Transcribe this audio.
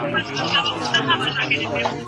که تاسو په اوبو کې فعال نه اوسئ، ګټه کمېږي.